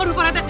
aduh pak rata